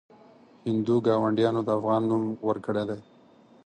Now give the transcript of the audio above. هندو ګاونډیانو د افغان نوم ورکړی دی.